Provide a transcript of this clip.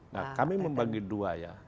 nah kami membagi dua ya